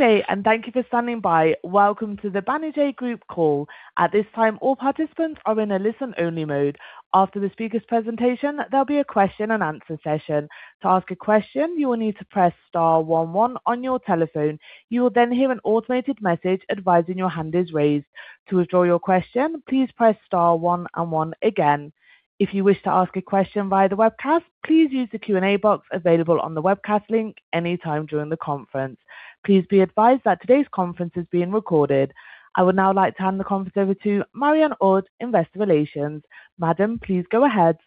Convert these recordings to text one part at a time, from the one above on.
Good day, thank you for standing by. Welcome to the Banijay Group call. At this time, all participants are in a listen-only mode. After the speaker's presentation, there'll be a question-and-answer session. To ask a question, you will need to press star one one on your telephone. You will hear an automated message advising your hand is raised. To withdraw your question, please press star one and one again. If you wish to ask a question via the webcast, please use the Q&A box available on the webcast link any time during the conference. Please be advised that today's conference is being recorded. I would now like to hand the conference over to Marion Heudes, Investor Relations. Madam, please go ahead.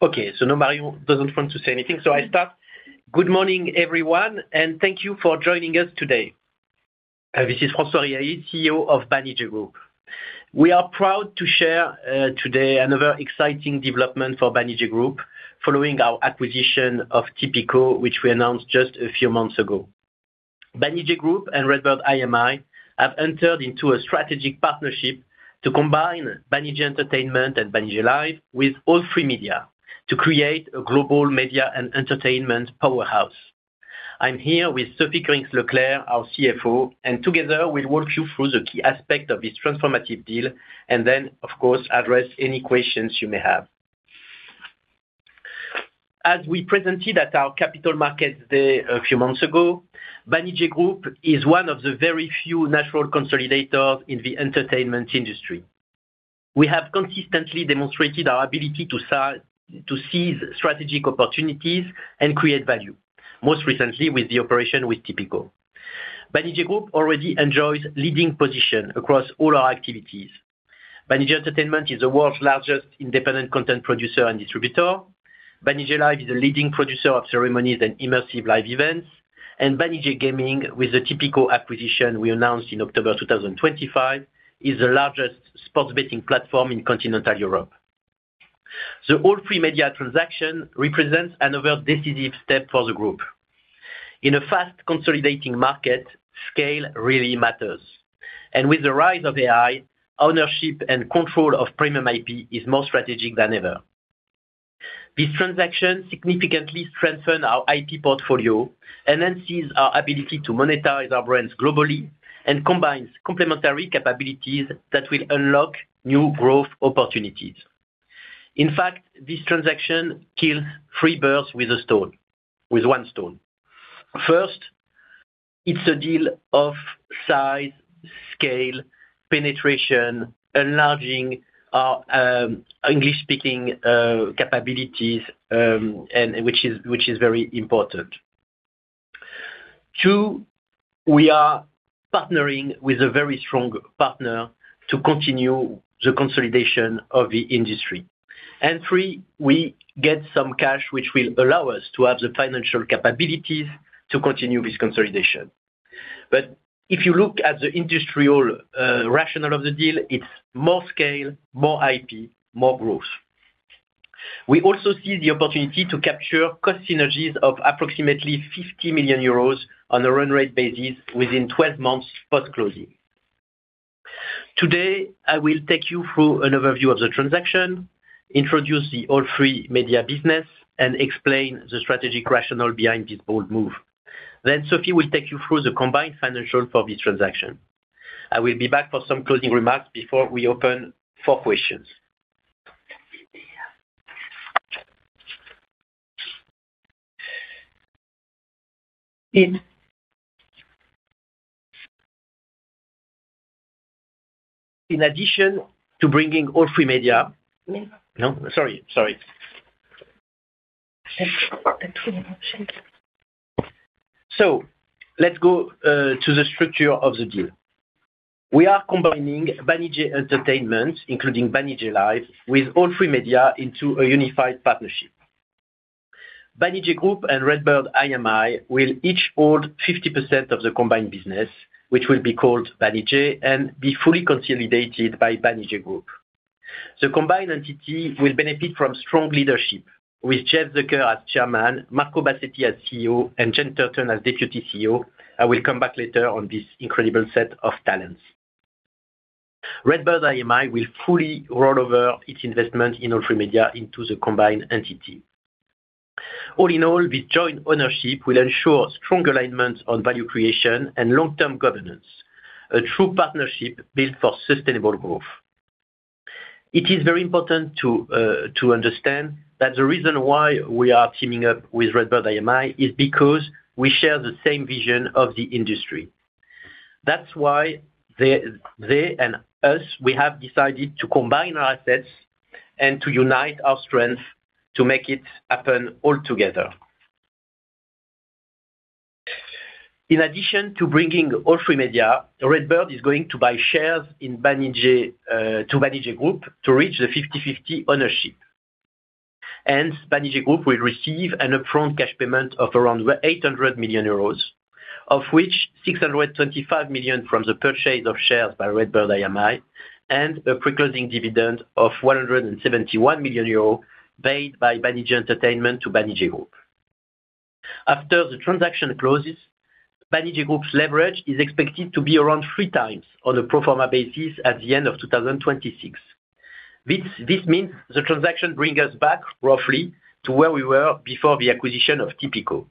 Okay. Now Marion doesn't want to say anything, so I start. Good morning, everyone, and thank you for joining us today. This is François Riahi, CEO of Banijay Group. We are proud to share today another exciting development for Banijay Group following our acquisition of Tipico, which we announced just a few months ago. Banijay Group and RedBird IMI have entered into a strategic partnership to combine Banijay Entertainment and Banijay Live with All3Media to create a global media and entertainment powerhouse. I'm here with Sophie Kurinckx-Leclerc, our CFO, and together we'll walk you through the key aspect of this transformative deal and then, of course, address any questions you may have. As we presented at our Capital Markets Day a few months ago, Banijay Group is one of the very few natural consolidators in the entertainment industry. We have consistently demonstrated our ability to seize strategic opportunities and create value, most recently with the operation with Tipico. Banijay Group already enjoys leading position across all our activities. Banijay Entertainment is the world's largest independent content producer and distributor. Banijay Live is a leading producer of ceremonies and immersive live events, and Banijay Gaming, with the Tipico acquisition we announced in October 2025, is the largest sports betting platform in continental Europe. The All3Media transaction represents another decisive step for the group. In a fast consolidating market, scale really matters. With the rise of AI, ownership and control of premium IP is more strategic than ever. This transaction significantly strengthened our IP portfolio, enhances our ability to monetize our brands globally and combines complementary capabilities that will unlock new growth opportunities. In fact, this transaction kills three birds with one stone. First, it's a deal of size, scale, penetration, enlarging our English-speaking capabilities, which is very important. Two, we are partnering with a very strong partner to continue the consolidation of the industry. Three, we get some cash, which will allow us to have the financial capabilities to continue this consolidation. If you look at the industrial rationale of the deal, it's more scale, more IP, more growth. We also see the opportunity to capture cost synergies of approximately 50 million euros on a run rate basis within 12 months post-closing. Today, I will take you through an overview of the transaction, introduce the All3Media business and explain the strategic rationale behind this bold move. Sophie will take you through the combined financials for this transaction. I will be back for some closing remarks before we open for questions. In. In addition to bringing All3Media. In. No, sorry. Let's go to the structure of the deal. We are combining Banijay Entertainment, including Banijay Live, with All3Media into a unified partnership. Banijay Group and RedBird IMI will each hold 50% of the combined business, which will be called Banijay and be fully consolidated by Banijay Group. The combined entity will benefit from strong leadership with Jeff Zucker as chairman, Marco Bassetti as CEO, and Jean Tartt as Deputy CEO. I will come back later on this incredible set of talents. RedBird IMI will fully roll over its investment in All3Media into the combined entity. All in all, this joint ownership will ensure strong alignment on value creation and long-term governance. A true partnership built for sustainable growth. It is very important to understand that the reason why we are teaming up with RedBird IMI is because we share the same vision of the industry. That's why they and us, we have decided to combine our assets and to unite our strengths to make it happen all together. In addition to bringing All3Media, RedBird is going to buy shares in Banijay, to Banijay Group to reach the 50/50 ownership. Banijay Group will receive an upfront cash payment of around 800 million euros, of which 625 million from the purchase of shares by RedBird IMI and a pre-closing dividend of 171 million euros paid by Banijay Entertainment to Banijay Group. After the transaction closes, Banijay Group's leverage is expected to be around 3x on a pro forma basis at the end of 2026. This means the transaction bring us back roughly to where we were before the acquisition of Tipico.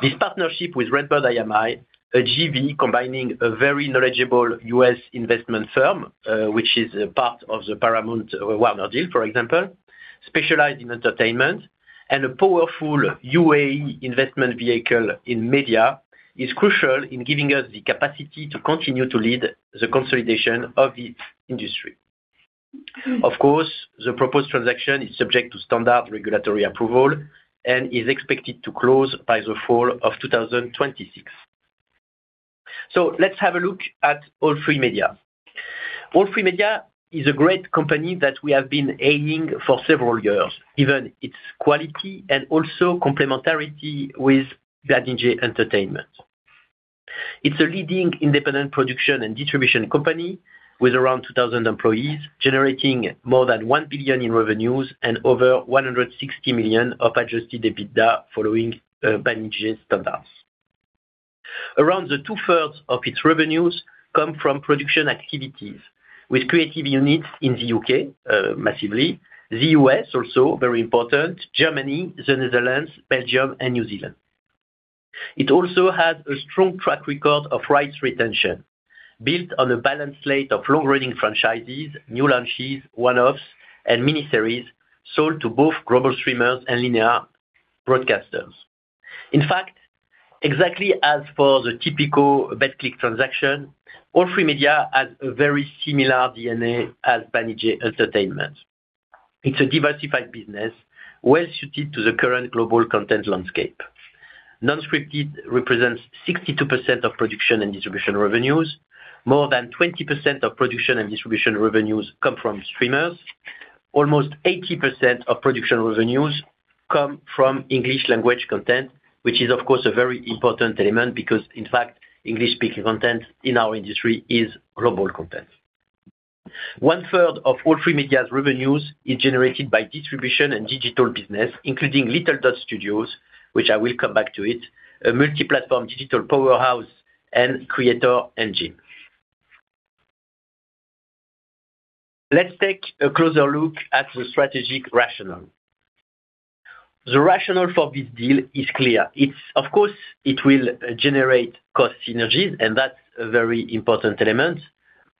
This partnership with RedBird IMI, a JV combining a very knowledgeable U.S. investment firm, which is a part of the Paramount-Warner deal, for example, specialized in entertainment and a powerful U.A.E. investment vehicle in media, is crucial in giving us the capacity to continue to lead the consolidation of the industry. Of course, the proposed transaction is subject to standard regulatory approval and is expected to close by the fall of 2026. Let's have a look at All3Media. All3Media is a great company that we have been aiming for several years, given its quality and also complementarity with Banijay Entertainment. It's a leading independent production and distribution company with around 2,000 employees, generating more than 1 billion in revenues and over 160 million of adjusted EBITDA following Banijay standards. Around 2/3 of its revenues come from production activities with creative units in the U.K., massively, the U.S. also very important, Germany, the Netherlands, Belgium and New Zealand. It also has a strong track record of rights retention built on a balanced slate of long-running franchises, new launches, one-offs and miniseries sold to both global streamers and linear broadcasters. In fact, exactly as for the Tipico-Betclic transaction, All3Media has a very similar DNA as Banijay Entertainment. It's a diversified business well suited to the current global content landscape. Non-scripted represents 62% of production and distribution revenues. More than 20% of production and distribution revenues come from streamers. Almost 80% of production revenues come from English language content, which is of course a very important element because in fact, English speaking content in our industry is global content. 1/3 of All3Media's revenues is generated by distribution and digital business, including Little Dot Studios, which I will come back to it, a multi-platform digital powerhouse and creator engine. Let's take a closer look at the strategic rationale. The rationale for this deal is clear. It's of course it will generate cost synergies and that's a very important element,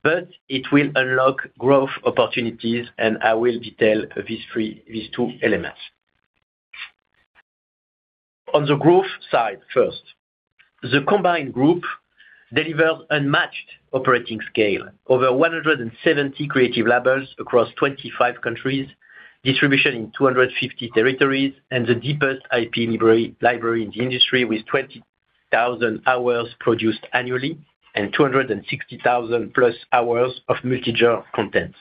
but it will unlock growth opportunities, and I will detail these two elements. On the growth side first. The combined group delivers unmatched operating scale. Over 170 creative labels across 25 countries, distribution in 250 territories, and the deepest IP library in the industry with 20,000 hours produced annually and 260,000+ hours of multi-gen content.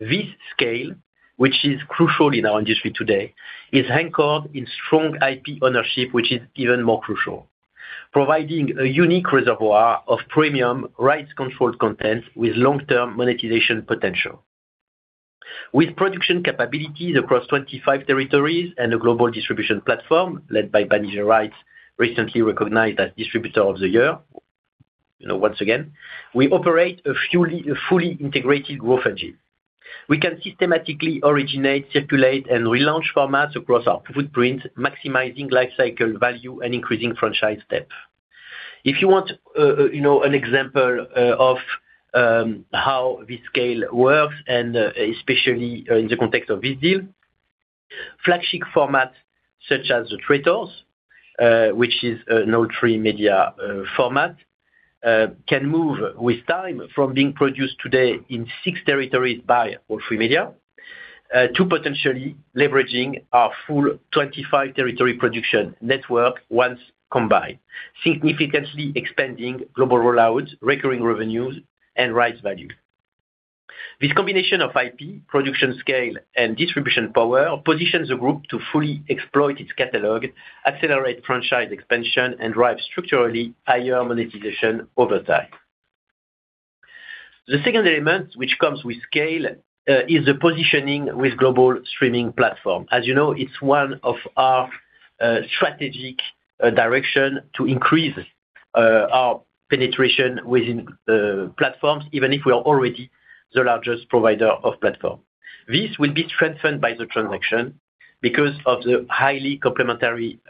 This scale, which is crucial in our industry today, is anchored in strong IP ownership, which is even more crucial, providing a unique reservoir of premium rights-controlled content with long-term monetization potential. With production capabilities across 25 territories and a global distribution platform led by Banijay Rights, recently recognized as distributor of the year, you know, once again, we operate a fully integrated growth engine. We can systematically originate, circulate and relaunch formats across our footprint, maximizing lifecycle value and increasing franchise depth. If you want, you know, an example of how this scale works, especially in the context of this deal, flagship formats such as The Traitors, which is an All3Media format, can move with time from being produced today in six territories by All3Media, to potentially leveraging our full 25 territory production network once combined, significantly expanding global rollouts, recurring revenues and rights value. This combination of IP, production scale, and distribution power positions the group to fully exploit its catalog, accelerate franchise expansion, and drive structurally higher monetization over time. The second element which comes with scale is the positioning with global streaming platform. As you know, it's one of our strategic direction to increase our penetration within platforms, even if we are already the largest provider of platform. This will be strengthened by the transaction because of the highly complementary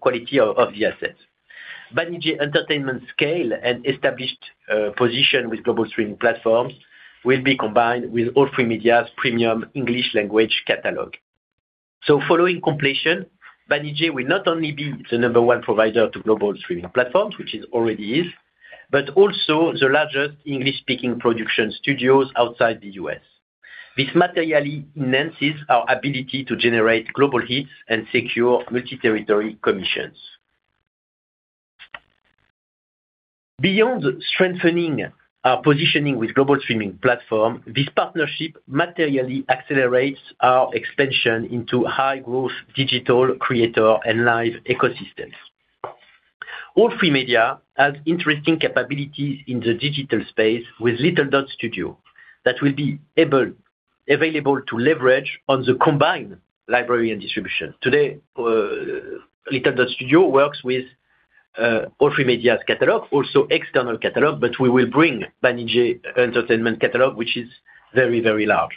quality of the assets. Banijay Entertainment scale and established position with global streaming platforms will be combined with All3Media's premium English language catalog. Following completion, Banijay will not only be the number one provider to global streaming platforms, which it already is, but also the largest English-speaking production studios outside the U.S. This materially enhances our ability to generate global hits and secure multi-territory commissions. Beyond strengthening our positioning with global streaming platform, this partnership materially accelerates our expansion into high-growth digital creator and live ecosystems. All3Media has interesting capabilities in the digital space with Little Dot Studios that will be available to leverage on the combined library and distribution. Today, Little Dot Studio works with All3Media's catalog, also external catalog, but we will bring Banijay Entertainment catalog, which is very, very large.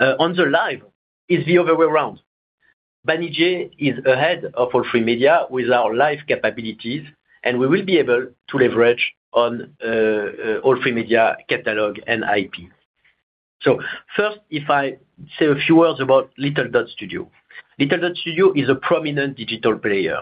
On the live is the other way around. Banijay is ahead of All3Media with our live capabilities, and we will be able to leverage on All3Media catalog and IP. First, if I say a few words about Little Dot Studio. Little Dot Studio is a prominent digital player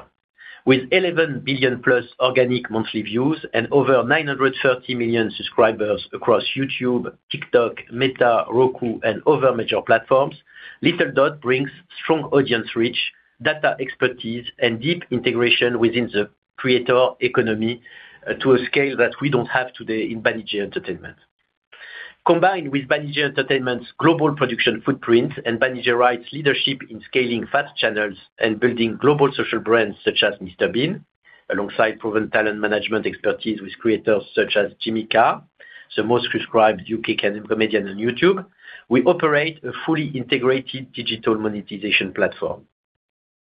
with 11 billion+ organic monthly views and over 930 million subscribers across YouTube, TikTok, Meta, Roku, and other major platforms. Little Dot brings strong audience reach, data expertise, and deep integration within the creator economy to a scale that we don't have today in Banijay Entertainment. Combined with Banijay Entertainment's global production footprint and Banijay Rights leadership in scaling FAST channels and building global social brands such as Mr. Bean, alongside proven talent management expertise with creators such as Jimmy Carr, the most subscribed U.K. comedian on YouTube, we operate a fully integrated digital monetization platform.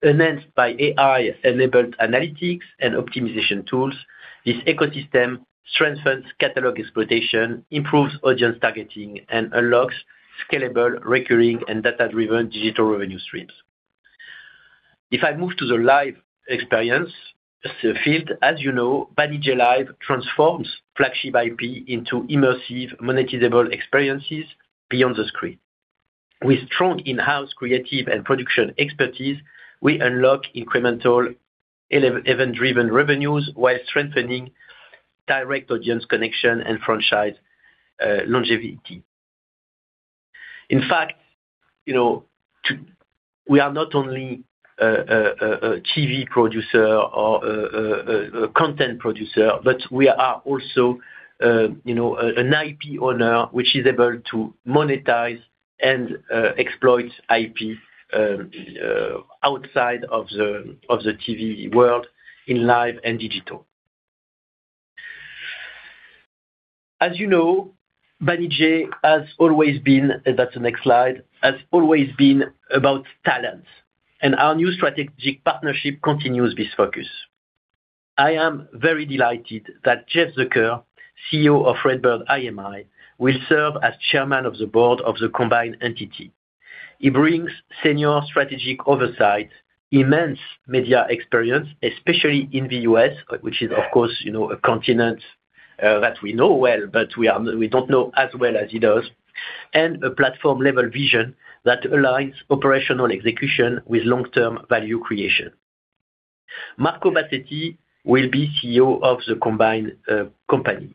Enhanced by AI-enabled analytics and optimization tools, this ecosystem strengthens catalog exploitation, improves audience targeting, and unlocks scalable, recurring, and data-driven digital revenue streams. If I move to the live experience field, as you know, Banijay Live transforms flagship IP into immersive monetizable experiences beyond the screen. With strong in-house creative and production expertise, we unlock incremental event-driven revenues while strengthening direct audience connection and franchise longevity. In fact, you know, We are not only a TV producer or a content producer, but we are also, you know, an IP owner which is able to monetize and exploit IP outside of the TV world in live and digital. As you know, Banijay, that's the next slide, has always been about talent. Our new strategic partnership continues this focus. I am very delighted that Jeff Zucker, CEO of RedBird IMI, will serve as chairman of the board of the combined entity. He brings senior strategic oversight, immense media experience, especially in the U.S., which is of course, you know, a continent that we know well, but we don't know as well as he does, and a platform-level vision that aligns operational execution with long-term value creation. Marco Bassetti will be CEO of the combined company.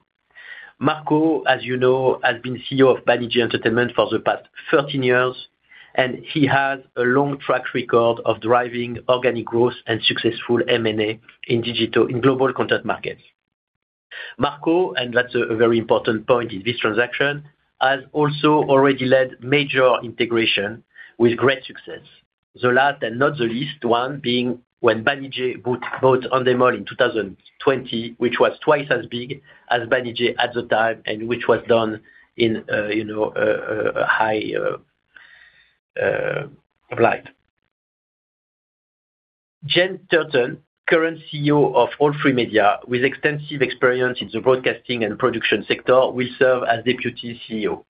Marco, as you know, has been CEO of Banijay Entertainment for the past 13 years, and he has a long track record of driving organic growth and successful M&A in global content markets. Marco, that's a very important point in this transaction, has also already led major integration with great success. The last and not the least one being when Banijay bought Endemol Shine in 2020, which was twice as big as Banijay at the time, and which was done in, you know, a high light. Jane Turton, current CEO of All3Media, with extensive experience in the broadcasting and production sector, will serve as Deputy CEO.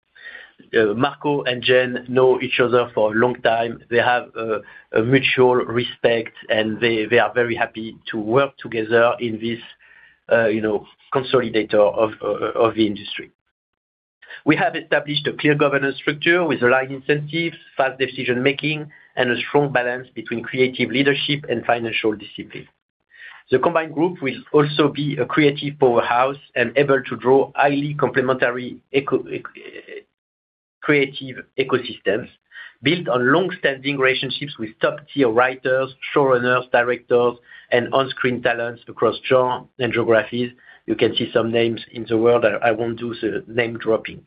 Marco and Jane know each other for a long time. They have a mutual respect, and they are very happy to work together in this, you know, consolidator of the industry. We have established a clear governance structure with aligned incentives, fast decision-making, and a strong balance between creative leadership and financial discipline. The combined group will also be a creative powerhouse and able to draw highly complementary creative ecosystems built on long-standing relationships with top-tier writers, showrunners, directors, and on-screen talents across genre and geographies. You can see some names in the world. I won't do the name-dropping.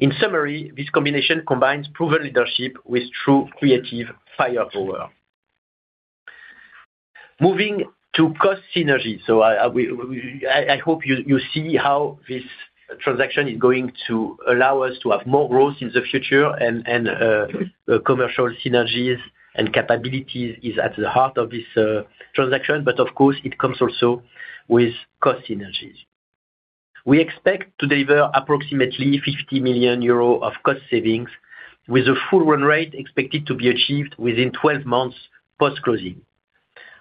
In summary, this combination combines proven leadership with true creative firepower. Moving to cost synergies. I, we, I hope you see how this transaction is going to allow us to have more growth in the future and commercial synergies and capabilities is at the heart of this transaction. Of course, it comes also with cost synergies. We expect to deliver approximately 50 million euros of cost savings with a full run rate expected to be achieved within 12 months post-closing.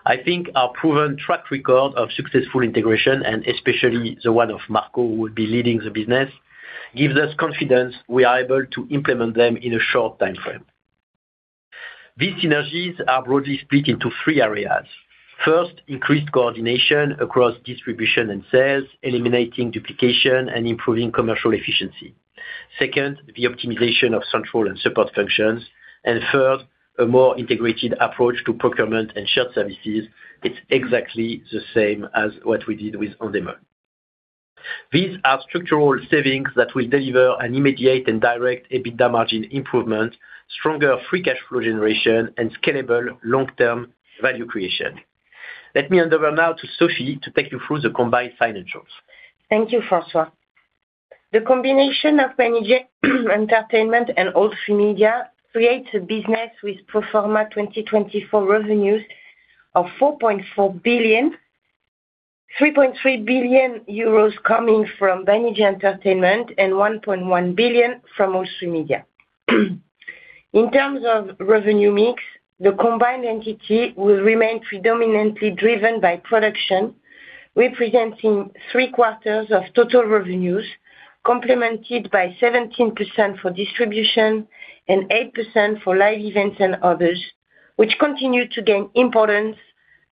I think our proven track record of successful integration, and especially the one of Marco, who will be leading the business, gives us confidence we are able to implement them in a short timeframe. These synergies are broadly split into three areas. First, increased coordination across distribution and sales, eliminating duplication and improving commercial efficiency. Second, the optimization of central and support functions. Third, a more integrated approach to procurement and shared services. It's exactly the same as what we did with On Demand. These are structural savings that will deliver an immediate and direct EBITDA margin improvement, stronger free cash flow generation, and scalable long-term value creation. Let me hand over now to Sophie to take you through the combined financials. Thank you, François. The combination of Banijay Entertainment and All3Media creates a business with pro forma 2024 revenues of 4.4 billion, 3.3 billion euros coming from Banijay Entertainment and 1.1 billion from All3Media. In terms of revenue mix, the combined entity will remain predominantly driven by production, representing 3/4 of total revenues, complemented by 17% for distribution and 8% for live events and others, which continue to gain importance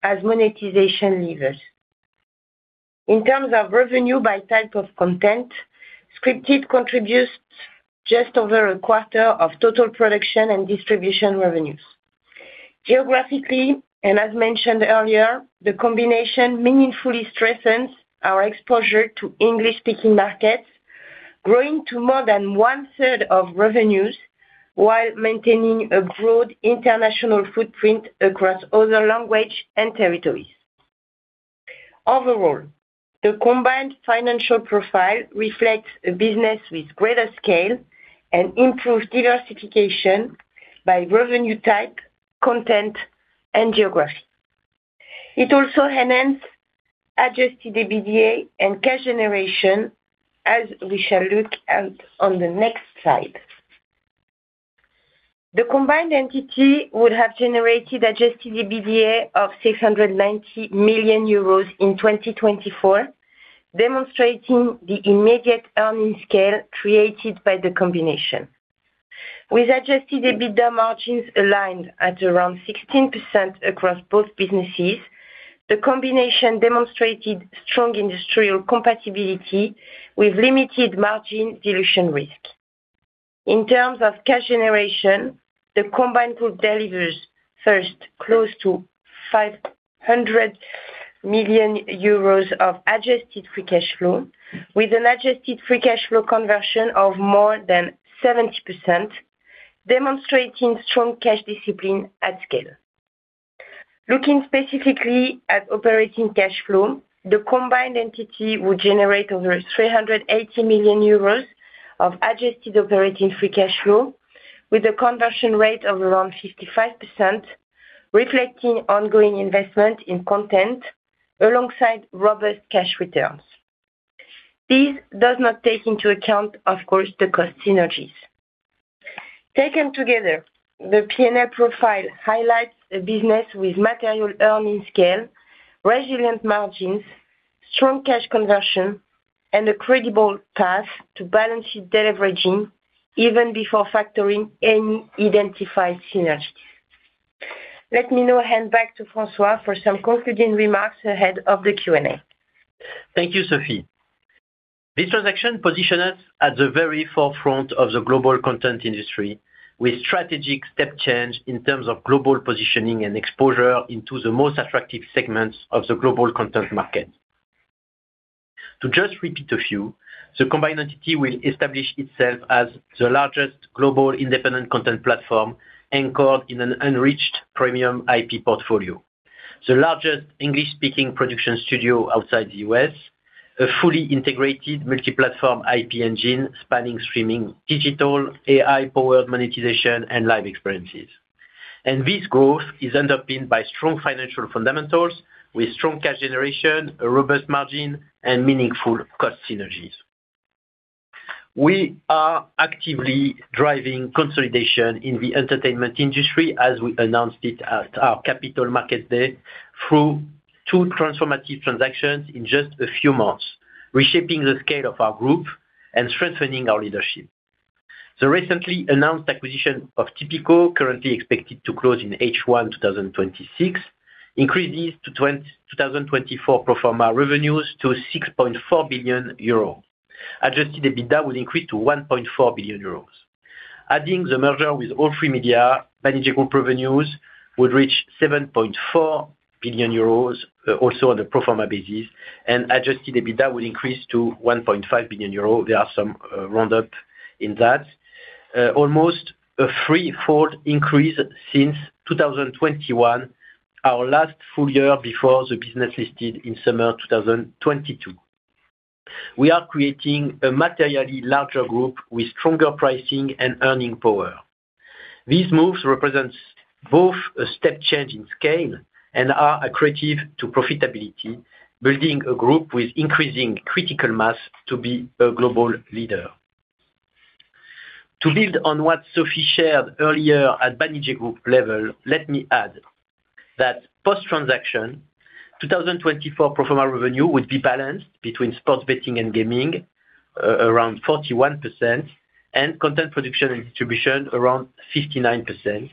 as monetization levers. In terms of revenue by type of content, scripted contributes just over 1/4 of total production and distribution revenues. Geographically, and as mentioned earlier, the combination meaningfully strengthens our exposure to English-speaking markets, growing to more than 1/3 of revenues while maintaining a broad international footprint across other language and territories. Overall, the combined financial profile reflects a business with greater scale and improved diversification by revenue type, content, and geography. It also enhances adjusted EBITDA and cash generation, as we shall look at on the next slide. The combined entity would have generated adjusted EBITDA of 690 million euros in 2024, demonstrating the immediate earnings scale created by the combination. With adjusted EBITDA margins aligned at around 16% across both businesses, the combination demonstrated strong industrial compatibility with limited margin dilution risk. In terms of cash generation, the combined group delivers first close to 500 million euros of adjusted free cash flow with an adjusted free cash flow conversion of more than 70%, demonstrating strong cash discipline at scale. Looking specifically at operating cash flow, the combined entity would generate over 380 million euros of adjusted operating free cash flow with a conversion rate of around 55%, reflecting ongoing investment in content alongside robust cash returns. This does not take into account, of course, the cost synergies. Taken together, the P&L profile highlights a business with material earnings scale, resilient margins, strong cash conversion, and a credible path to balanced deleveraging even before factoring any identified synergies. Let me now hand back to François for some concluding remarks ahead of the Q&A. Thank you, Sophie. This transaction positions us at the very forefront of the global content industry with strategic step change in terms of global positioning and exposure into the most attractive segments of the global content market. To just repeat a few, the combined entity will establish itself as the largest global independent content platform anchored in an enriched premium IP portfolio, the largest English-speaking production studio outside the U.S., a fully integrated multi-platform IP engine spanning streaming, digital, AI-powered monetization, and live experiences. This growth is underpinned by strong financial fundamentals with strong cash generation, a robust margin, and meaningful cost synergies. We are actively driving consolidation in the entertainment industry as we announced it at our Capital Markets Day through two transformative transactions in just a few months, reshaping the scale of our group and strengthening our leadership. The recently announced acquisition of Tipico, currently expected to close in H1 2026, increases to 2024 pro forma revenues to 6.4 billion euros. Adjusted EBITDA will increase to 1.4 billion euros. Adding the merger with All3Media, Banijay Group revenues would reach 7.4 billion euros, also on a pro forma basis, and adjusted EBITDA will increase to 1.5 billion euros. There are some roundup in that. Almost a threefold increase since 2021, our last full year before the business listed in summer 2022. We are creating a materially larger group with stronger pricing and earning power. These moves represents both a step change in scale and are accretive to profitability, building a group with increasing critical mass to be a global leader. To build on what Sophie shared earlier at Banijay Group level, let me add that post-transaction, 2024 pro forma revenue would be balanced between sports betting and gaming, around 41%, and content production and distribution around 59%,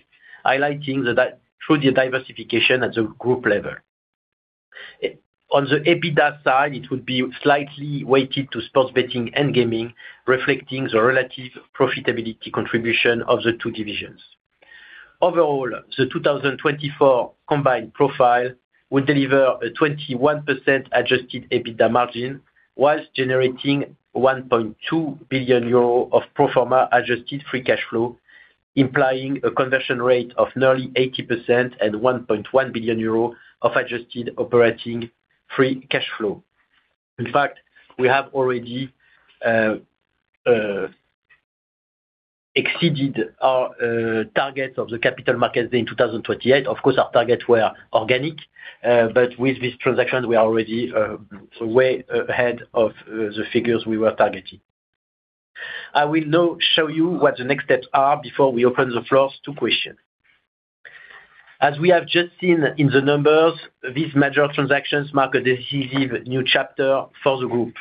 highlighting through the diversification at the group level. On the EBITDA side, it would be slightly weighted to sports betting and gaming, reflecting the relative profitability contribution of the two divisions. Overall, the 2024 combined profile will deliver a 21% adjusted EBITDA margin whilst generating 1.2 billion euro of pro forma adjusted free cash flow, implying a conversion rate of nearly 80% and 1.1 billion euro of adjusted operating free cash flow. In fact, we have already exceeded our target of the capital markets in 2028. Of course, our targets were organic, with this transaction we are already way ahead of the figures we were targeting. I will now show you what the next steps are before we open the floors to questions. As we have just seen in the numbers, these major transactions mark a decisive new chapter for the group,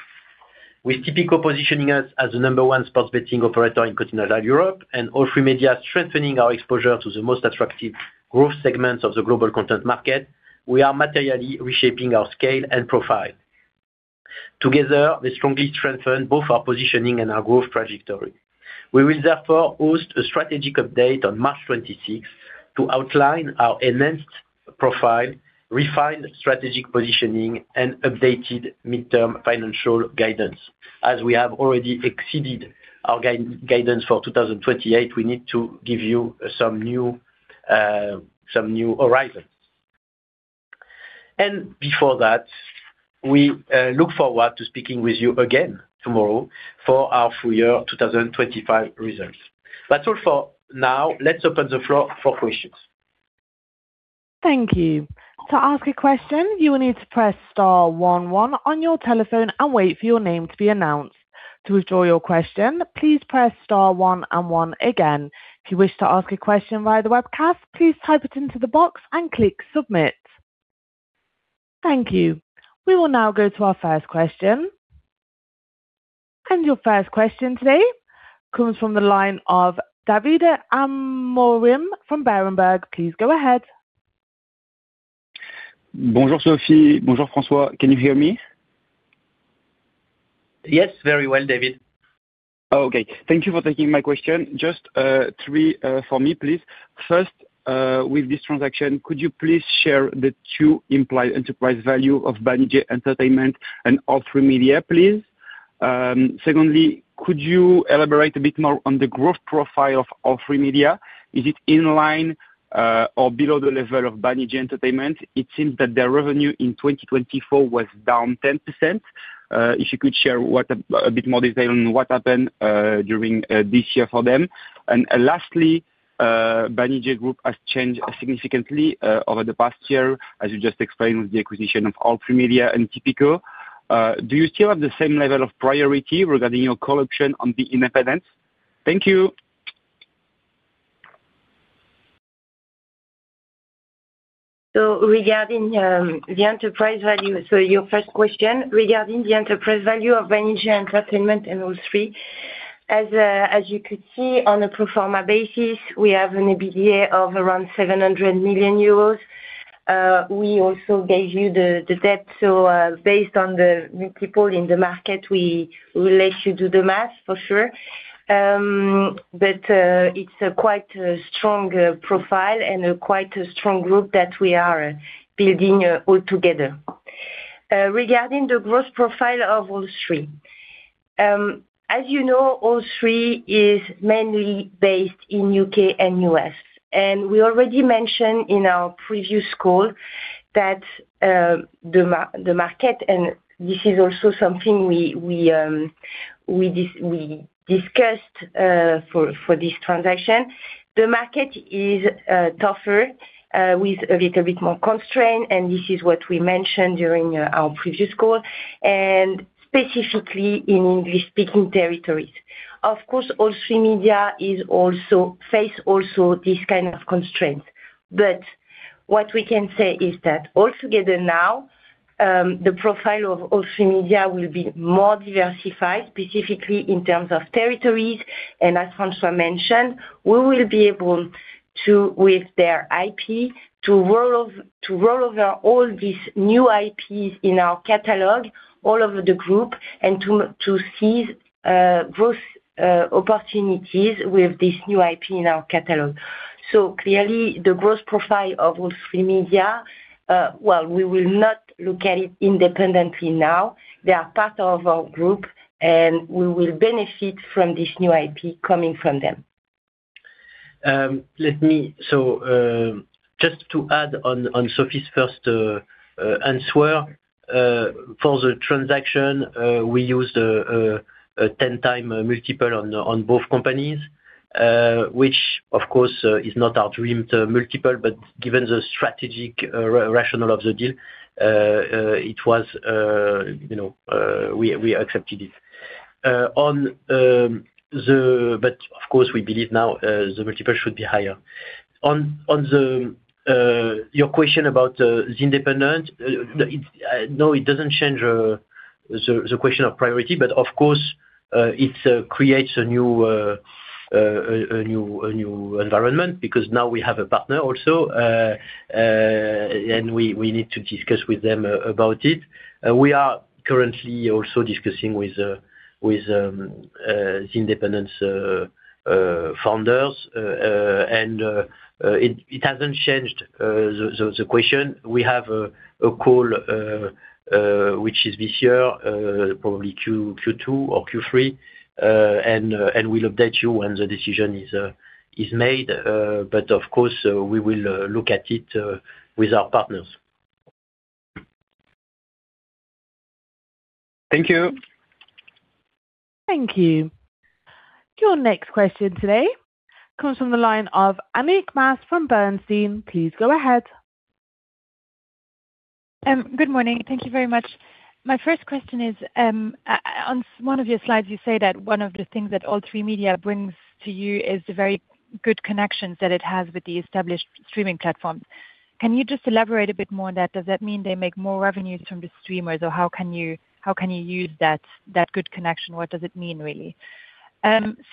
with Tipico positioning us as the number one sports betting operator in continental Europe and All3Media strengthening our exposure to the most attractive growth segments of the global content market. We are materially reshaping our scale and profile. Together, they strongly strengthen both our positioning and our growth trajectory. We will therefore host a strategic update on March 26 to outline our enhanced profile, refined strategic positioning and updated midterm financial guidance. As we have already exceeded our guidance for 2028, we need to give you some new, some new horizons. Before that, we look forward to speaking with you again tomorrow for our full year 2025 results. That's all for now. Let's open the floor for questions. Thank you. To ask a question, you will need to press star one one on your telephone and wait for your name to be announced. To withdraw your question, please press star one and one again. If you wish to ask a question via the webcast, please type it into the box and click submit. Thank you. We will now go to our first question. Your first question today comes from the line of Davide Amorim from Berenberg. Please go ahead. Bonjour, Sophie. Bonjour, François. Can you hear me? Yes, very well, David. Okay. Thank you for taking my question. Just three for me, please. First, with this transaction, could you please share the two implied enterprise value of Banijay Entertainment and All3Media, please? Secondly, could you elaborate a bit more on the growth profile of All3Media? Is it in line or below the level of Banijay Entertainment? It seems that their revenue in 2024 was down 10%. If you could share what, a bit more detail on what happened during this year for them. Lastly, Banijay Group has changed significantly over the past year, as you just explained, with the acquisition of All3Media and Tipico. Do you still have the same level of priority regarding your call option on The Independents? Thank you. Regarding the enterprise value. Your first question regarding the enterprise value of Banijay Entertainment and All3. As you could see on a pro forma basis, we have an EBITDA of around 700 million euros. We also gave you the debt. Based on the multiple in the market, we will let you do the math for sure. It's quite a strong profile and quite a strong group that we are building all together. Regarding the growth profile of All3. As you know, All3 is mainly based in U.K. and U.S. We already mentioned in our previous call that the market, this is also something we discussed for this transaction. The market is tougher with a little bit more constraint. This is what we mentioned during our previous call, and specifically in English-speaking territories. Of course, All3Media face also this kind of constraint. What we can say is that altogether now, the profile of All3Media will be more diversified, specifically in terms of territories. As François mentioned, we will be able to, with their IP, to roll over all these new IPs in our catalog all over the Group and to seize growth opportunities with this new IP in our catalog. Clearly the growth profile of All3Media, well, we will not look at it independently now. They are part of our Group, and we will benefit from this new IP coming from them. Just to add on Sophie's first answer. For the transaction, we used a 10x multiple on both companies, which of course is not our dream multiple, but given the strategic rational of the deal, it was, we accepted it. Of course, we believe now the multiple should be higher. On your question about The Independents. No, it doesn't change the question of priority, but of course, it creates a new environment because now we have a partner also. We need to discuss with them about it. We are currently also discussing with The Independents' founders. It hasn't changed, the question. We have a call, which is this year, probably Q2 or Q3. We'll update you when the decision is made. Of course, we will look at it, with our partners. Thank you. Thank you. Your next question today comes from the line of Annick Maas from Bernstein. Please go ahead. Good morning. Thank you very much. My first question is, on one of your slides, you say that one of the things that All3Media brings to you is the very good connections that it has with the established streaming platforms. Can you just elaborate a bit more on that? Does that mean they make more revenues from the streamers? How can you use that good connection? What does it mean, really?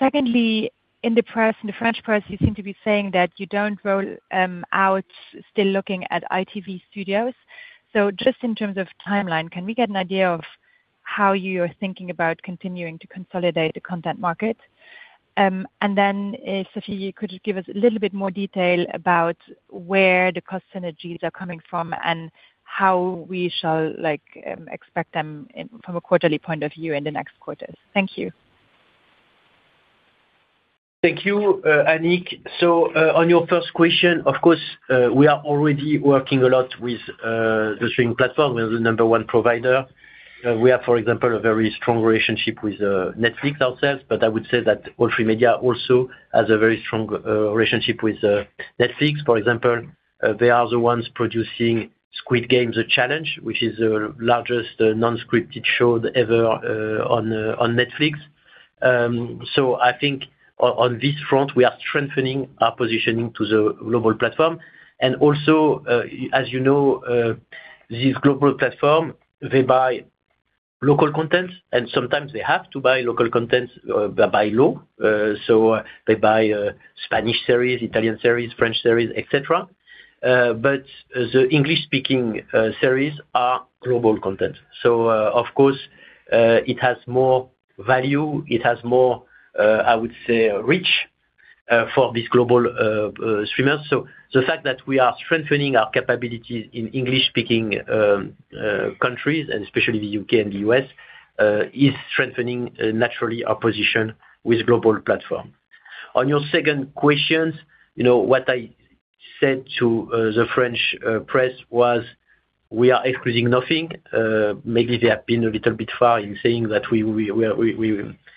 Secondly, in the press, in the French press, you seem to be saying that you don't rule out still looking at ITV Studios. Just in terms of timeline, can we get an idea of how you are thinking about continuing to consolidate the content market? If, Sophie, you could give us a little bit more detail about where the cost synergies are coming from and how we shall expect them from a quarterly point of view in the next quarters? Thank you. Thank you, Annick. On your first question, of course, we are already working a lot with the streaming platform. We're the number one provider. We have, for example, a very strong relationship with Netflix ourselves, but I would say that All3Media also has a very strong relationship with Netflix. For example, they are the ones producing Squid Game: The Challenge, which is the largest non-scripted show ever on Netflix. I think on this front, we are strengthening our positioning to the global platform. Also, as you know, this global platform, they buy local content, and sometimes they have to buy local content by law. They buy Spanish series, Italian series, French series, et cetera. But the English-speaking series are global content. Of course, it has more value, it has more, I would say, reach, for these global streamers. The fact that we are strengthening our capabilities in English-speaking countries, and especially the U.K. and the U.S., is strengthening naturally our position with global platform. On your second questions, you know, what I said to the French press was, we are excluding nothing. Maybe they have been a little bit far in saying that we,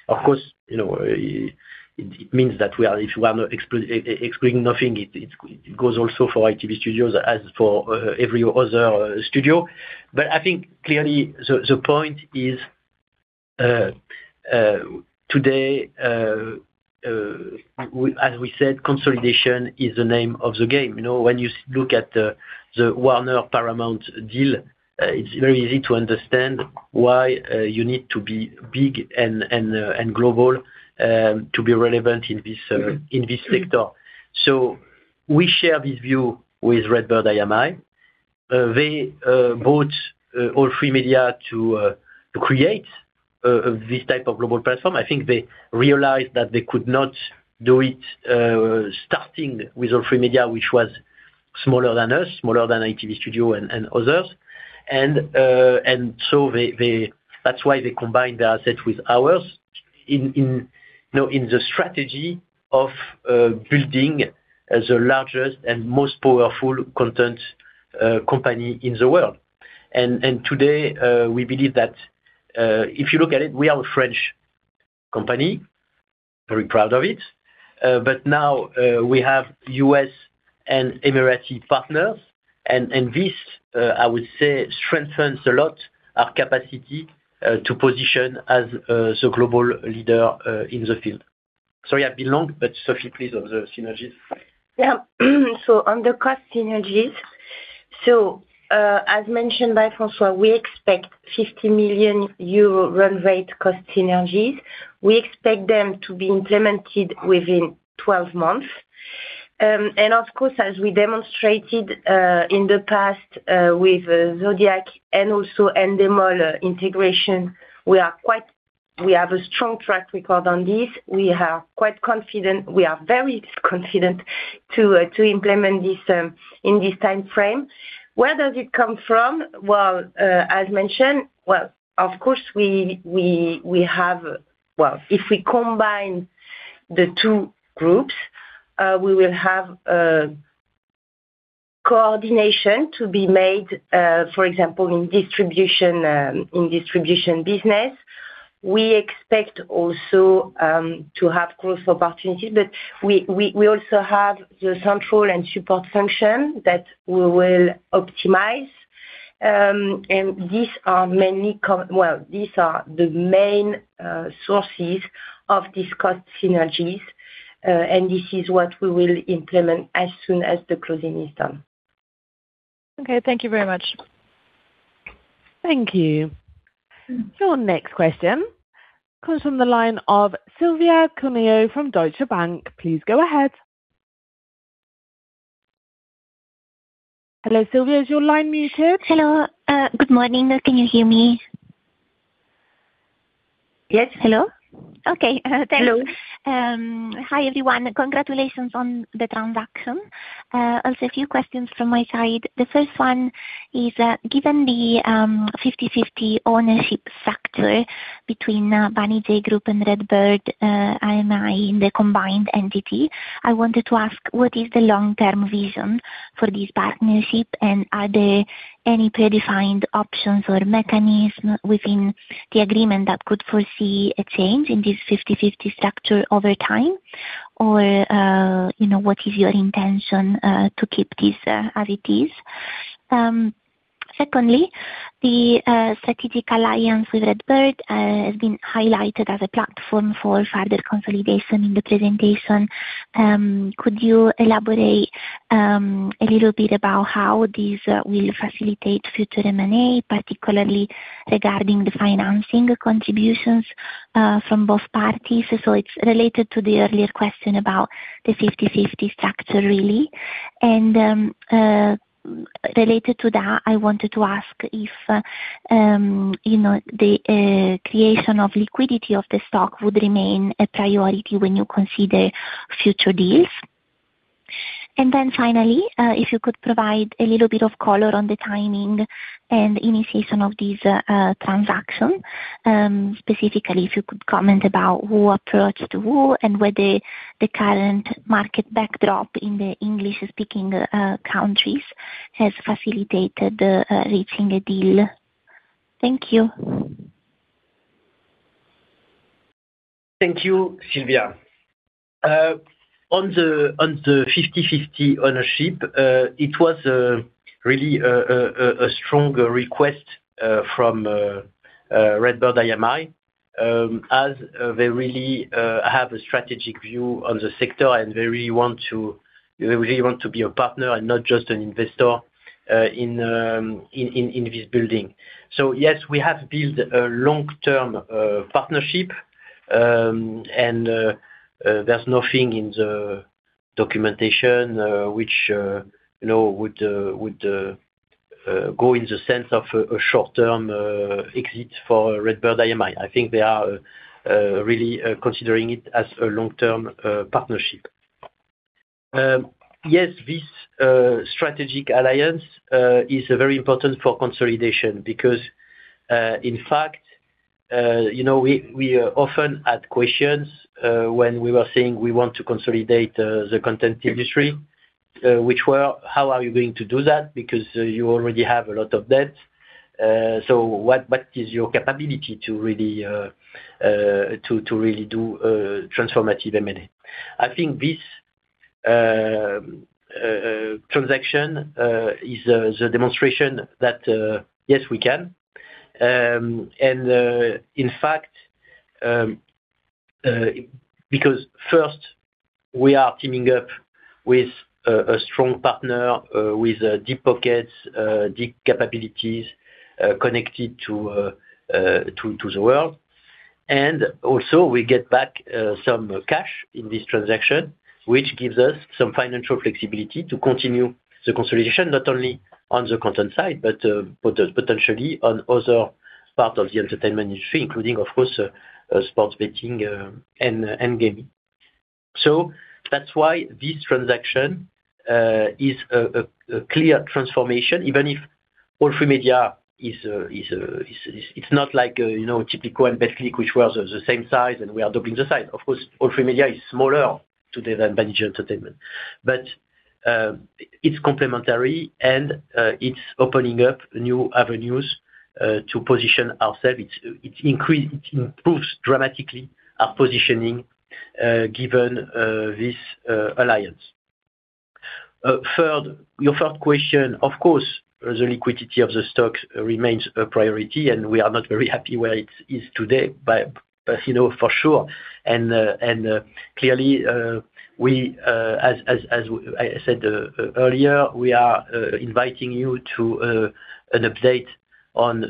of course, you know, it means that we are, if we are not excluding nothing, it goes also for ITV Studios as for every other studio. I think clearly the point is today, as we said, consolidation is the name of the game. You know, when you look at the Warner-Paramount deal, it's very easy to understand why you need to be big and global, to be relevant in this, in this sector. We share this view with RedBird IMI. They bought All3Media to create this type of global platform. I think they realized that they could not do it, starting with All3Media, which was smaller than us, smaller than ITV Studio and others. That's why they combined their asset with ours in, you know, in the strategy of building the largest and most powerful content company in the world. Today, we believe that, if you look at it, we are a French company, very proud of it. Now, we have U.S. and Emirati partners, and this, I would say, strengthens a lot our capacity to position as the global leader in the field. Sorry, I've been long. Sophie, please, on the synergies. Yeah. On the cost synergies, as mentioned by François, we expect 50 million euro run rate cost synergies. We expect them to be implemented within 12 months. Of course, as we demonstrated in the past, with Zodiak Media and also Endemol integration, we have a strong track record on this. We are quite confident. We are very confident to implement this in this timeframe. Where does it come from? Well, as mentioned, well, of course, we have. If we combine the two groups, we will have a coordination to be made, for example, in distribution, in distribution business. We expect also to have growth opportunities, we also have the central and support function that we will optimize. These are mainly. Well, these are the main sources of these cost synergies, and this is what we will implement as soon as the closing is done. Okay. Thank you very much. Thank you. Your next question comes from the line of Silvia Cuneo from Deutsche Bank. Please go ahead. Hello, Silvia. Is your line muted? Hello. Good morning. Can you hear me? Yes. Hello? Okay. Thanks. Hello. Hi, everyone. Congratulations on the transaction. A few questions from my side. The first one is that given the 50/50 ownership factor between Banijay Group and RedBird IMI in the combined entity, I wanted to ask, what is the long-term vision for this partnership? Are there any predefined options or mechanism within the agreement that could foresee a change in this 50/50 structure over time? You know, what is your intention to keep this as it is? Secondly, the strategic alliance with RedBird has been highlighted as a platform for further consolidation in the presentation. Could you elaborate a little bit about how this will facilitate future M&A, particularly regarding the financing contributions from both parties? It's related to the earlier question about the 50/50 structure, really. Related to that, I wanted to ask if, you know, the creation of liquidity of the stock would remain a priority when you consider future deals? Finally, if you could provide a little bit of color on the timing and initiation of this transaction, specifically, if you could comment about who approached who and whether the current market backdrop in the English-speaking countries has facilitated reaching a deal? Thank you. Thank you, Silvia. On the 50/50 ownership, it was really a strong request from RedBird IMI, as they really have a strategic view on the sector, and they really want to be a partner and not just an investor in this building. Yes, we have built a long-term partnership, there's nothing in the documentation which, you know, would go in the sense of a short-term exit for RedBird IMI. I think they are really considering it as a long-term partnership. Yes, this strategic alliance is very important for consolidation because, in fact, you know, we often had questions when we were saying we want to consolidate the content industry, which were, "How are you going to do that because you already have a lot of debt. So what is your capability to really to really do transformative M&A?" I think this transaction is the demonstration that, yes, we can. And, in fact, because first we are teaming up with a strong partner with deep pockets, deep capabilities, connected to to the world. Also we get back some cash in this transaction, which gives us some financial flexibility to continue the consolidation not only on the content side, but potentially on other parts of the entertainment industry, including, of course, sports betting, and gaming. That's why this transaction is a clear transformation, even if All3Media is not like, you know, Tipico and Betclic, which was the same size, and we are doubling the size. Of course, All3Media is smaller today than Banijay Entertainment. But it's complementary and it's opening up new avenues to position ourselves. It improves dramatically our positioning given this alliance. Third, your third question. Of course, the liquidity of the stock remains a priority, and we are not very happy where it is today. You know, for sure. Clearly, as I said earlier, we are inviting you to an update on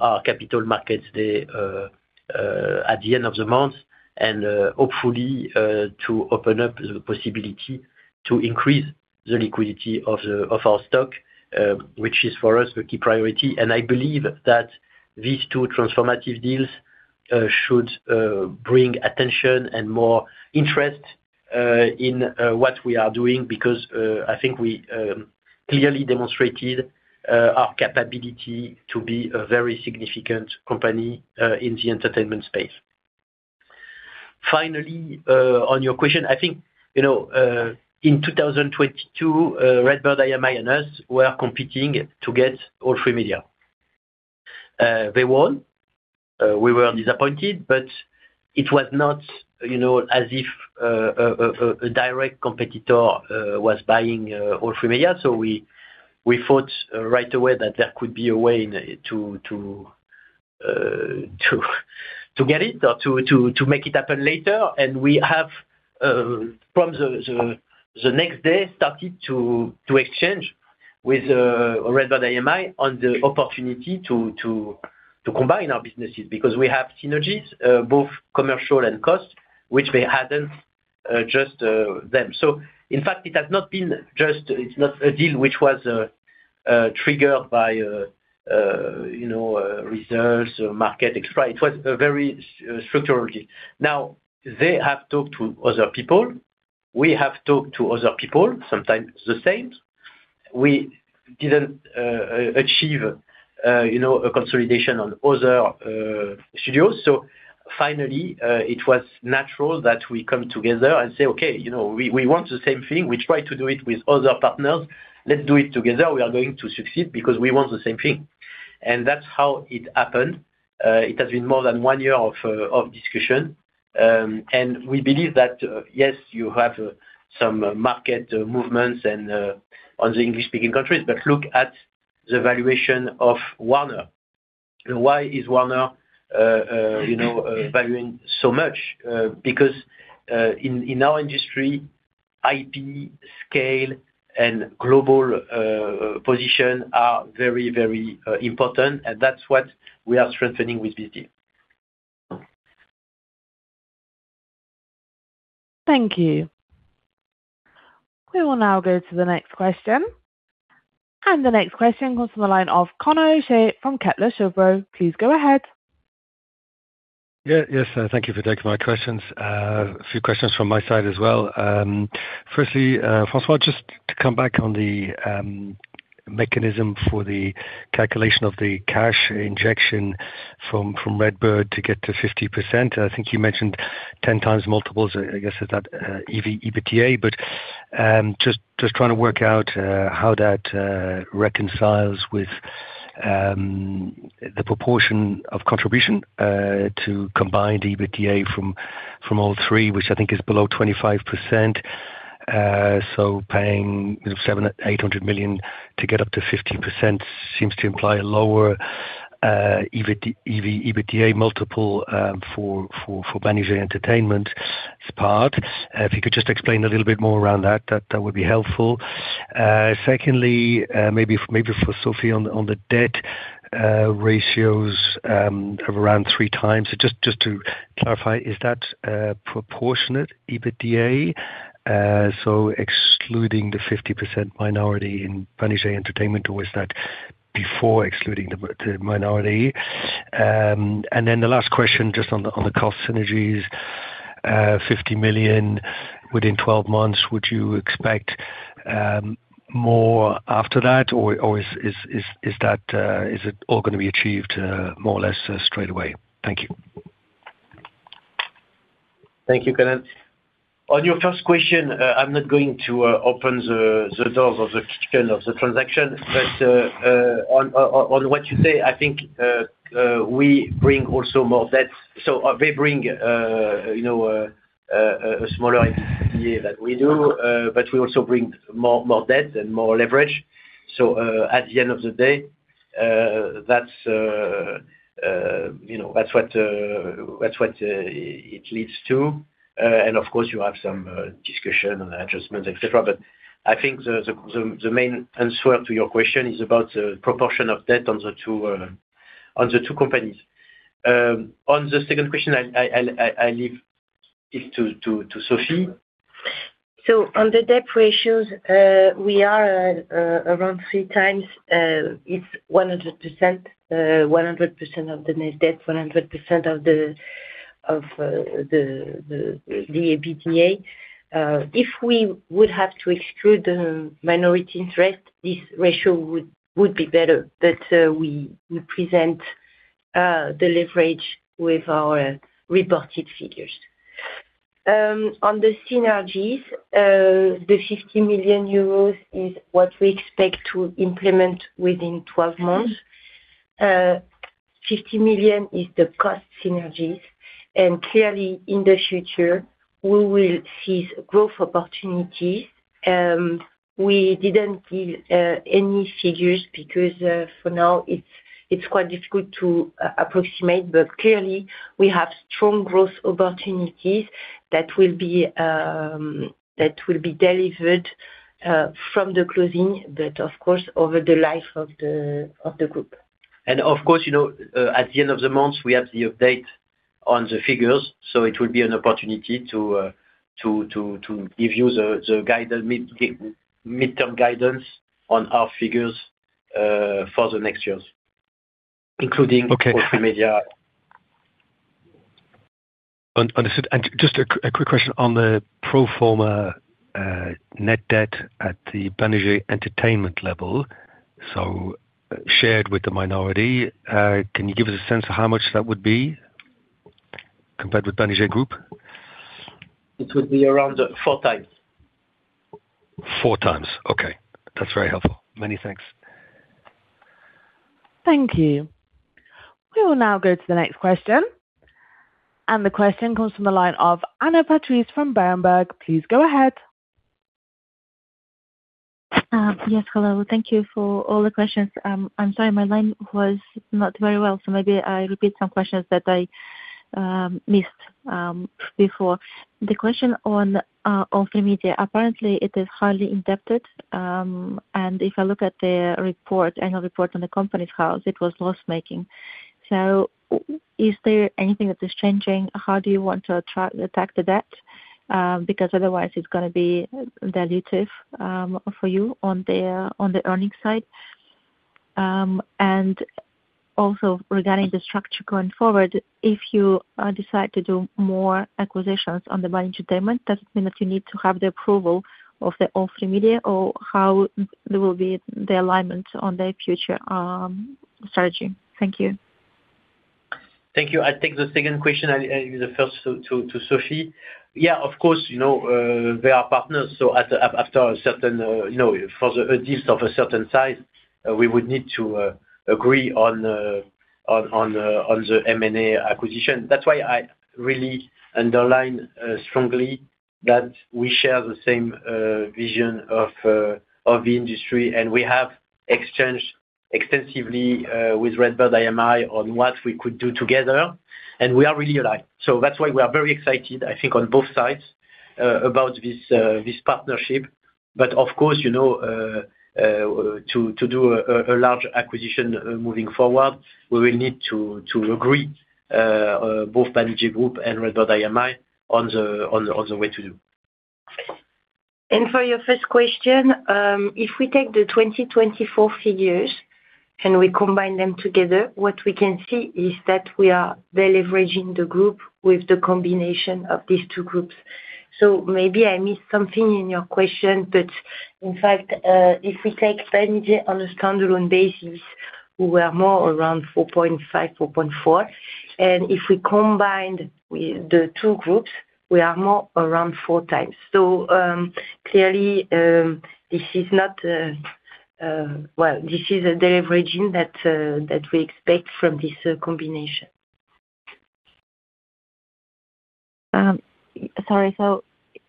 our Capital Markets Day at the end of the month, and hopefully, to open up the possibility to increase the liquidity of our stock, which is for us the key priority. I believe that these two transformative deals should bring attention and more interest in what we are doing because I think we clearly demonstrated our capability to be a very significant company in the entertainment space. On your question, I think, you know, in 2022, RedBird IMI and us were competing to get All3Media. They won. We were disappointed, but it was not, you know, as if a direct competitor was buying All3Media. We thought right away that there could be a way to get it or to make it happen later. We have from the next day started to exchange with RedBird IMI on the opportunity to combine our businesses because we have synergies, both commercial and cost, which they hadn't just them. In fact, it has not been just, it's not a deal which was triggered by, you know, research or market, et cetera. It was a very structural deal. They have talked to other people. We have talked to other people, sometimes the same. We didn't achieve, you know, a consolidation on other studios. Finally, it was natural that we come together and say, "Okay, you know, we want the same thing. We try to do it with other partners. Let's do it together. We are going to succeed because we want the same thing." That's how it happened. It has been more than one year of discussion. We believe that yes, you have some market movements on the English-speaking countries. Look at the valuation of Warner. Why is Warner, you know, valuing so much? Because in our industry, IP scale and global position are very, very important, and that's what we are strengthening with this deal. Thank you. We will now go to the next question. The next question comes from the line of Conor O'Shea from Kepler Cheuvreux. Please go ahead. Yeah. Yes, thank you for taking my questions. A few questions from my side as well. Firstly, François, just to come back on the mechanism for the calculation of the cash injection from RedBird to get to 50%. I think you mentioned 10x multiples, I guess is that EBITDA. Just trying to work out how that reconciles with the proportion of contribution to combined EBITDA from All3Media, which I think is below 25%. Paying 700 million-800 million to get up to 50% seems to imply a lower EBITDA multiple for Banijay Entertainment's part. If you could just explain a little bit more around that would be helpful. Secondly, maybe for Sophie on the debt ratios of around 3x. Just to clarify, is that proportionate EBITDA? Excluding the 50% minority in Banijay Entertainment, or was that before excluding the minority? The last question, just on the cost synergies, 50 million within 12 months. Would you expect more after that or is that, is it all gonna be achieved more or less straight away? Thank you. Thank you, Connor. On your first question, I'm not going to open the doors of the kitchen of the transaction. On what you say, I think we bring also more debt. They bring, you know, a smaller EBITDA than we do, but we also bring more debt and more leverage. At the end of the day, you know, that's what it leads to. And of course, you have some discussion and adjustments, et cetera. I think the main answer to your question is about the proportion of debt on the two companies. On the second question, I leave it to Sophie. On the debt ratios, we are around 3x, it's 100% of the net debt, 100% of the EBITDA. If we would have to exclude the minority interest, this ratio would be better, but we present the leverage with our reported figures. On the synergies, the 50 million euros is what we expect to implement within 12 months. 50 million is the cost synergies. Clearly, in the future, we will see growth opportunities. We didn't give any figures because for now it's quite difficult to approximate. Clearly, we have strong growth opportunities that will be delivered from the closing, but of course, over the life of the group. Of course, you know, at the end of the month, we have the update on the figures, so it will be an opportunity to give you the guidance, mid-term guidance on our figures, for the next years, including-. Okay. All3Media. Understood. Just a quick question on the pro forma net debt at the Banijay Entertainment level, so shared with the minority, can you give us a sense of how much that would be compared with Banijay Group? It would be around 4x. Four times. Okay. That's very helpful. Many thanks. Thank you. We will now go to the next question. The question comes from the line of Anna Patrice from Berenberg. Please go ahead. Yes. Hello. Thank you for all the questions. I'm sorry, my line was not very well, so maybe I repeat some questions that I missed before. The question on All3Media. Apparently, it is highly indebted. If I look at the report, annual report on the Companies House, it was loss-making. Is there anything that is changing? How do you want to attack the debt? Otherwise it's gonna be dilutive for you on the earnings side. Regarding the structure going forward, if you decide to do more acquisitions on the Banijay Entertainment, does it mean that you need to have the approval of the All3Media or how there will be the alignment on the future strategy? Thank you. Thank you. I take the second question and leave the first to Sophie. Of course, you know, they are partners, so after a certain, you know, at least of a certain size, we would need to agree on M&A acquisition. That's why I really underline strongly that we share the same vision of the industry, and we have exchanged extensively with RedBird IMI on what we could do together, and we are really alike. That's why we are very excited, I think, on both sides, about this partnership. Of course, you know, to do a large acquisition moving forward, we will need to agree both Banijay Group and RedBird IMI on the way to do. For your first question, if we take the 2024 figures and we combine them together, what we can see is that we are deleveraging the group with the combination of these two groups. Maybe I missed something in your question, but in fact, if we take Banijay on a standalone basis, we are more around 4.5, 4.4. If we combine the two groups, we are more around 4x. Clearly, this is not. Well, this is a deleveraging that we expect from this combination. Sorry.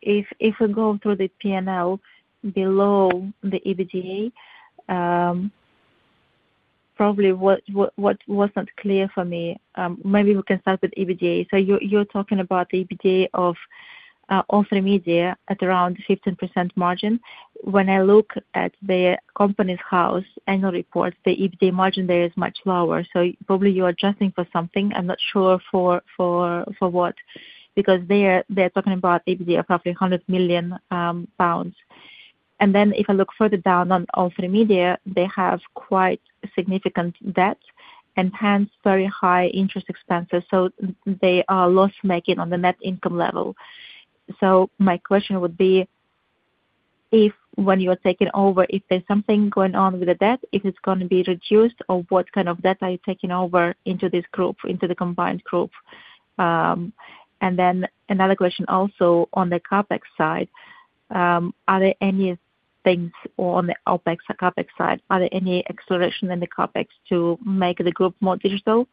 If we go through the P&L below the EBITDA, probably what wasn't clear for me, maybe we can start with EBITDA. You're talking about the EBITDA of All3Media at around 15% margin. When I look at the Companies House annual report, the EBITDA margin there is much lower. Probably you're adjusting for something. I'm not sure for what, because they're talking about EBITDA of roughly 100 million pounds. If I look further down on All3Media, they have quite significant debt and hence very high interest expenses. They are loss-making on the net income level. My question would be, if when you are taking over, if there's something going on with the debt, if it's gonna be reduced or what kind of debt are you taking over into this group, into the combined group? Another question also on the CapEx side, are there any things on the OpEx or CapEx side? Are there any acceleration in the CapEx to make the group more digital,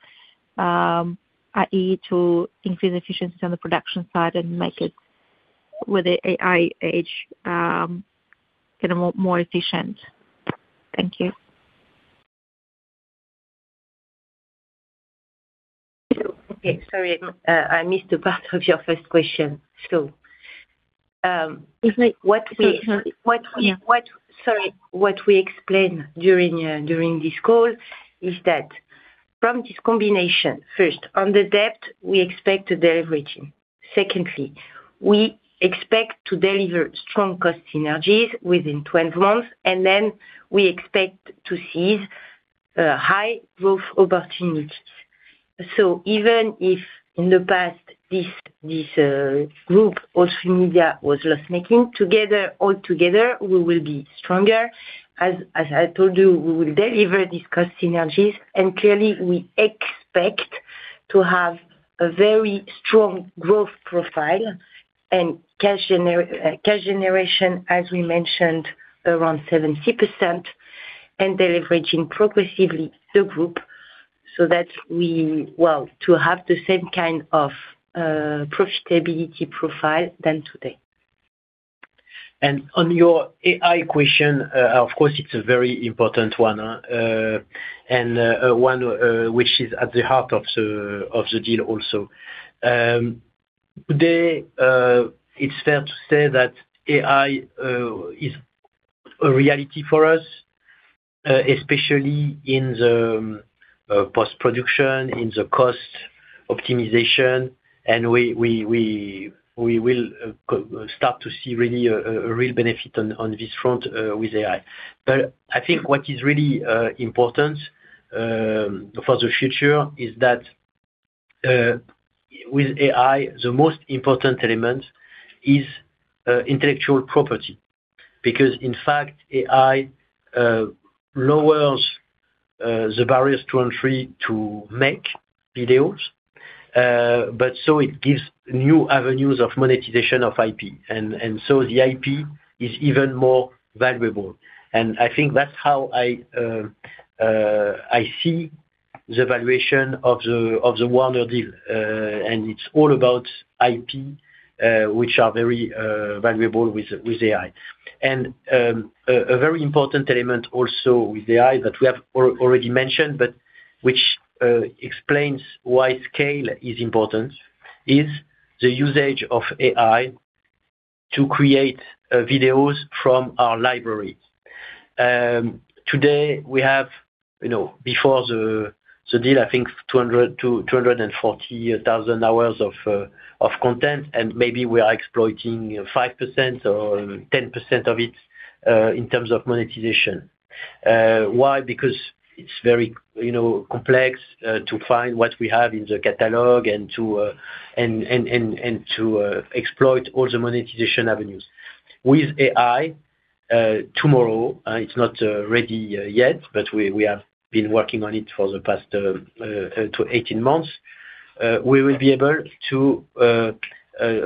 i.e. to increase efficiencies on the production side and make it with the AI age, kind of more efficient? Thank you. Okay. Sorry, I missed a part of your first question. It's like. Sorry. What we explained during this call is that from this combination, first, on the debt, we expect a deleveraging. Secondly, we expect to deliver strong cost synergies within 12 months, then we expect to seize high growth opportunities. Even if in the past this group, All3Media, was loss-making, together, all together, we will be stronger. As I told you, we will deliver these cost synergies and clearly we expect to have a very strong growth profile and cash generation, as we mentioned, around 70% and deleveraging progressively the group so that we. Well, to have the same kind of profitability profile than today. On your AI question, of course, it's a very important one, and one which is at the heart of the deal also. Today, it's fair to say that AI is a reality for us, especially in the post-production, in the cost optimization. We will start to see really a real benefit on this front with AI. I think what is really important for the future is that with AI, the most important element is intellectual property. In fact, AI lowers the barriers to entry to make videos. It gives new avenues of monetization of IP. The IP is even more valuable. I think that's how I see the valuation of the Warner deal. It's all about IP, which are very valuable with AI. A very important element also with AI that we have already mentioned, but which explains why scale is important is the usage of AI to create videos from our library. Today we have, you know, before the deal, I think 200,000 to 240,000 hours of content, and maybe we are exploiting 5% or 10% of it in terms of monetization. Why? Because it's very, you know, complex to find what we have in the catalog and to exploit all the monetization avenues. With AI, tomorrow, it's not ready yet, but we have been working on it for the past 18 months. We will be able to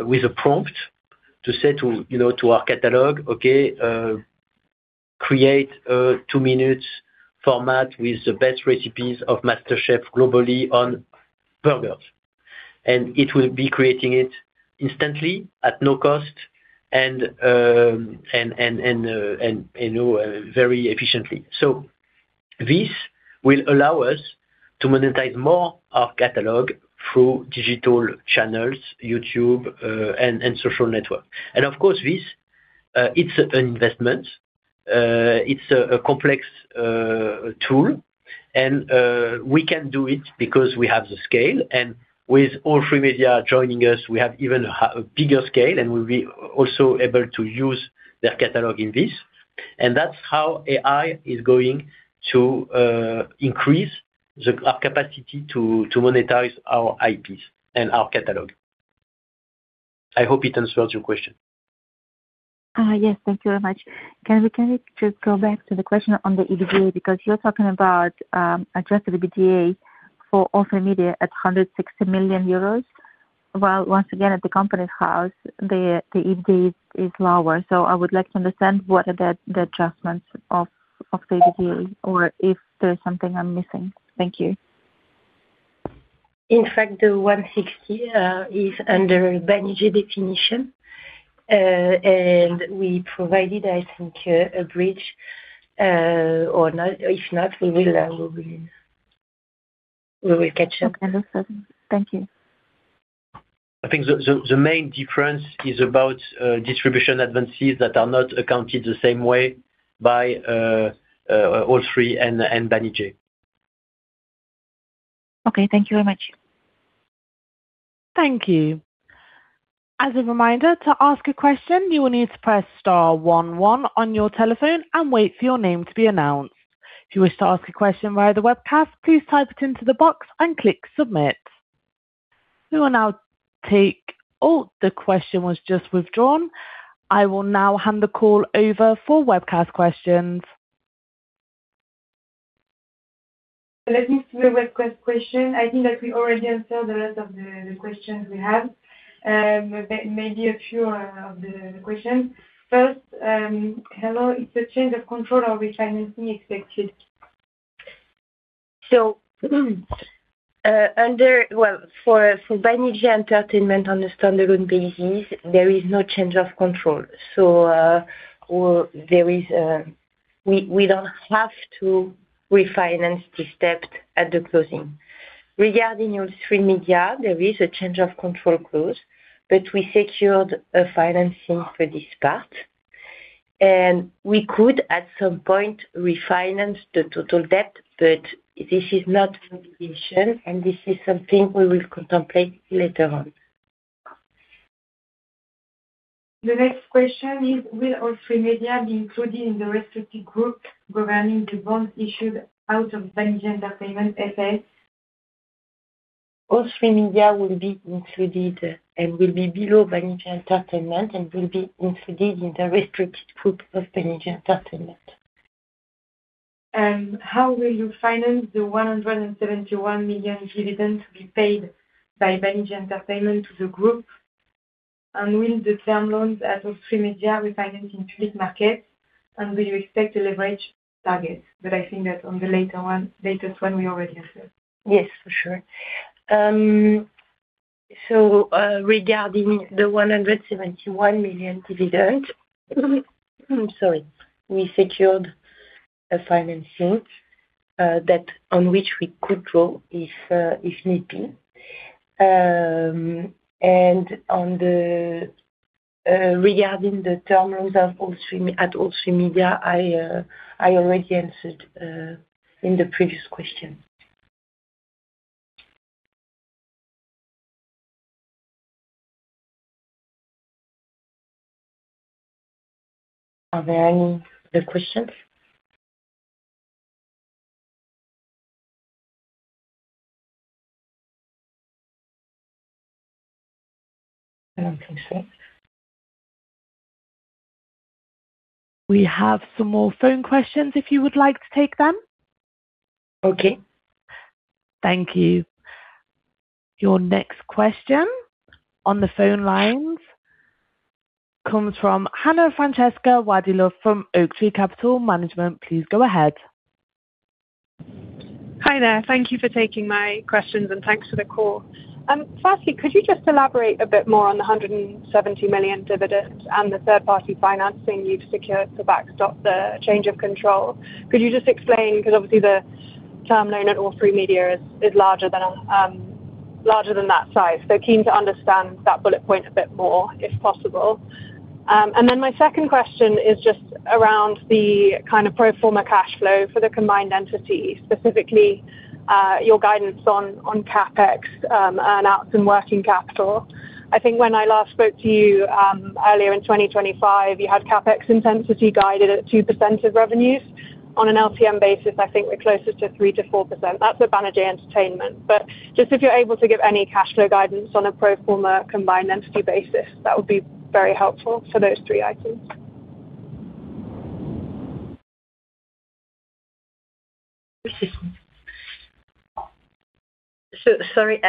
with a prompt to say to, you know, to our catalog, "Okay, create a two-minute format with the best recipes of MasterChef globally on burgers." It will be creating it instantly at no cost and, you know, very efficiently. This will allow us to monetize more our catalog through digital channels, YouTube, and social network. Of course this, it's an investment. It's a complex tool and we can do it because we have the scale. With All3Media joining us, we have even a bigger scale, and we'll be also able to use their catalog in this. That's how AI is going to increase our capacity to monetize our IPs and our catalog. I hope it answers your question. Yes. Thank you very much. Can we just go back to the question on the EBITDA? You're talking about adjusted EBITDA for All3Media at 160 million euros, while once again at the Companies House the EBITDA is lower. I would like to understand what are the adjustments of the EBITDA or if there's something I'm missing. Thank you. In fact, the 160 is under Banijay definition. We provided, I think, a bridge, or not. If not, we will catch up. Okay, that's fine. Thank you. I think the main difference is about distribution advances that are not accounted the same way by All3 and Banijay. Okay. Thank you very much. Thank you. As a reminder, to ask a question, you will need to press star one one on your telephone and wait for your name to be announced. If you wish to ask a question via the webcast, please type it into the box and click submit. Oh, the question was just withdrawn. I will now hand the call over for webcast questions. Let me see the webcast question. I think that we already answered the rest of the questions we have. Maybe a few of the questions. First, hello. Is the change of control or refinancing expected? Well, for Banijay Entertainment on a standalone basis, there is no change of control. There is, we don't have to refinance this debt at the closing. Regarding All3Media, there is a change of control clause, but we secured a financing for this part. We could, at some point, refinance the total debt, but this is not our intention, and this is something we will contemplate later on. The next question is, will All3Media be included in the restricted group regarding the bonds issued out of Banijay Entertainment S.A.? All3Media will be included and will be below Banijay Entertainment and will be included in the restricted group of Banijay Entertainment. How will you finance the 171 million dividend to be paid by Banijay Entertainment to the group? Will the term loans at All3Media refinance in public market? Will you expect a leverage target? I think that on the later one, latest one we already answered. Yes, for sure. Regarding the 171 million dividend, sorry, we secured a financing that on which we could draw if need be. On the regarding the term loans of All3Media, I already answered in the previous question. Are there any other questions? I don't think so. We have some more phone questions if you would like to take them. Okay. Thank you. Your next question on the phone lines comes from Hannah Francesca Waddilove from Oaktree Capital Management. Please go ahead. Hi there. Thank you for taking my questions and thanks for the call. firstly, could you just elaborate a bit more on the 170 million dividend and the third-party financing you've secured to backstop the change of control? Could you just explain? 'Cause obviously the term loan at All3Media is larger than that size. keen to understand that bullet point a bit more, if possible. My second question is just around the kind of pro forma cash flow for the combined entity, specifically, your guidance on CapEx, earn-outs and working capital. I think when I last spoke to you, earlier in 2025, you had CapEx intensity guided at 2% of revenues. On an LTM basis, I think we're closest to 3%-4%. That's with Banijay Entertainment. Just if you're able to give any cash flow guidance on a pro forma combined entity basis, that would be very helpful for those three items. Sorry,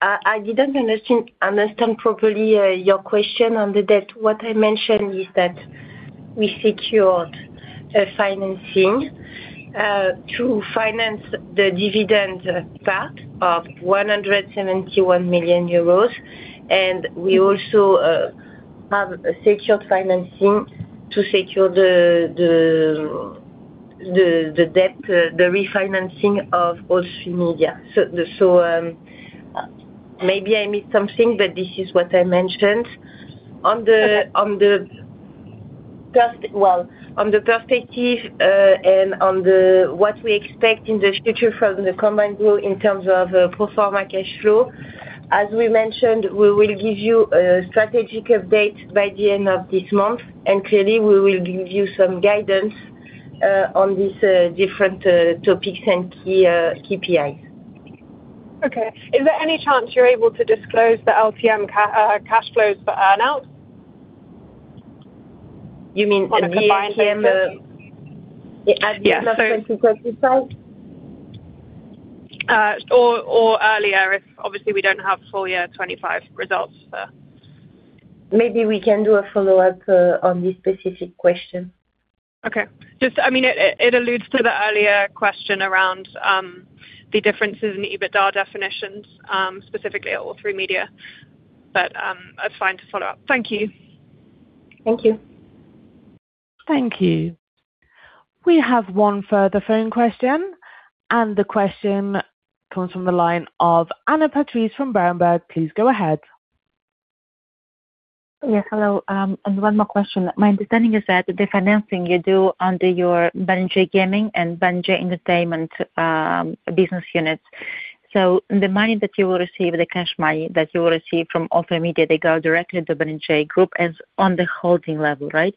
I didn't understand properly your question on the debt. What I mentioned is that we secured a financing to finance the dividend part of 171 million euros, and we also have a secured financing to secure the debt, the refinancing of All3Media. Maybe I missed something, but this is what I mentioned. Okay. On the perspective, what we expect in the future from the combined group in terms of pro forma cash flow, as we mentioned, we will give you a strategic update by the end of this month, and clearly we will give you some guidance, on these different topics and key KPIs. Okay. Is there any chance you're able to disclose the LTM cash flows for earn outs? You mean in the LTM? On a combined basis, yes. At this point in 2025? Earlier if. Obviously, we don't have full year 2025 results, but. Maybe we can do a follow-up on this specific question. Okay. Just, I mean, it alludes to the earlier question around the differences in EBITDA definitions, specifically at All3Media. That's fine to follow up. Thank you. Thank you. Thank you. We have one further phone question, and the question comes from the line of Anna Patrice from Berenberg. Please go ahead. Yes, hello. One more question. My understanding is that the financing you do under your Banijay Gaming and Banijay Entertainment, business units. The money that you will receive, the cash money that you will receive from All3Media, they go directly to Banijay Group as on the holding level, right?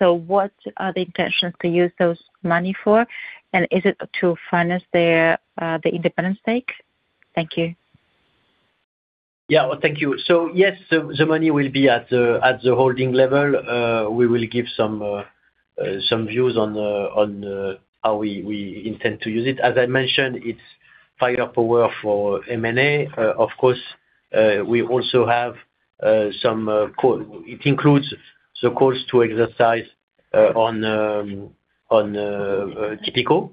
What are the intentions to use those money for, and is it to finance their, the independent stake? Thank you. Yeah. Well, thank you. Yes, the money will be at the holding level. We will give some views on how we intend to use it. As I mentioned, it's firepower for M&A. Of course, we also have some. It includes the calls to exercise on Tipico.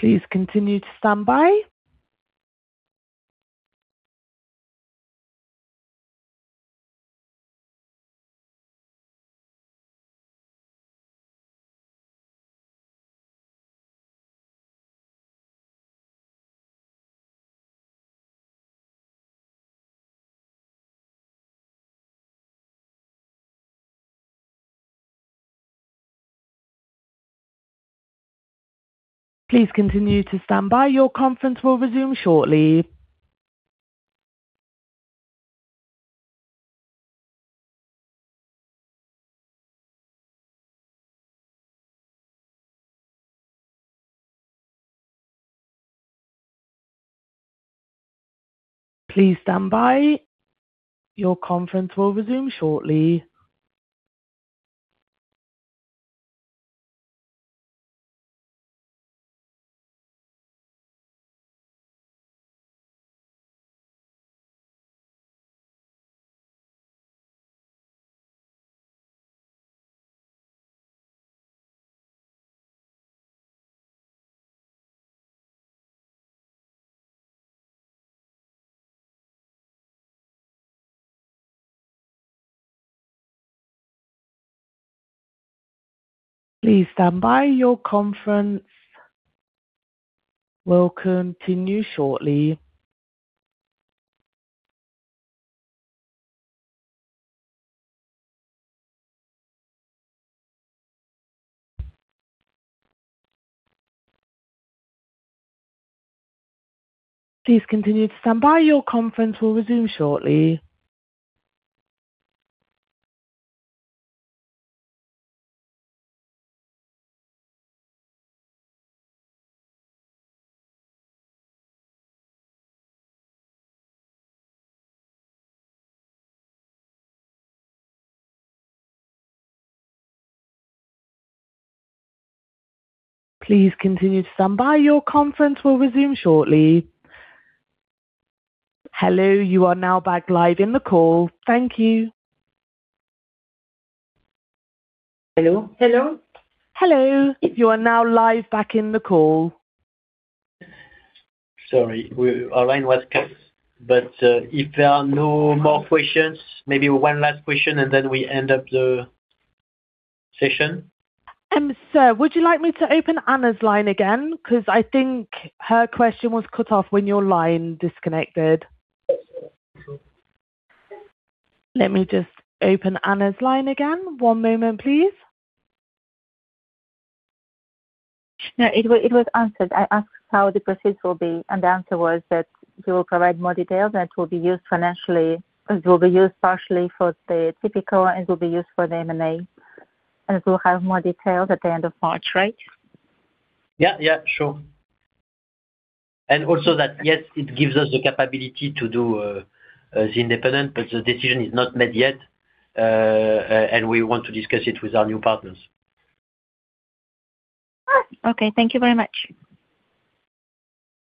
Please continue to stand by. Please continue to stand by. Your conference will resume shortly. Please stand by. Your conference will resume shortly. Please stand by. Your conference will continue shortly. Please continue to stand by. Your conference will resume shortly. Please continue to stand by. Your conference will resume shortly. Hello, you are now back live in the call. Thank you. Hello? Hello. Hello. You are now live back in the call. Sorry, our line was cut. If there are no more questions, maybe one last question and then we end up the session. Sir, would you like me to open Anna's line again? 'Cause I think her question was cut off when your line disconnected. Let me just open Anna's line again. One moment please. No, it was answered. I asked how the proceeds will be. The answer was that we will provide more details, and it will be used partially for the Tipico, and it will be used for the M&A, and we'll have more details at the end of March, right? Yeah, sure. Also that, yes, it gives us the capability to do as independent, but the decision is not made yet, and we want to discuss it with our new partners. Okay. Thank you very much.